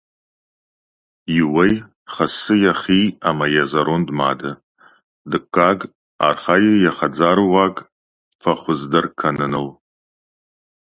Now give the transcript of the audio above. Иуӕй — хӕссы йӕхи ӕмӕ йӕ зӕронд мады. Дыккаг — архайы йӕ хӕдзары уаг фӕхуыздӕр кӕныныл.